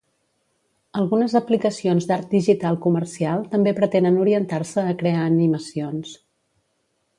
Algunes aplicacions d'art digital comercial també pretenen orientar-se a crear animacions.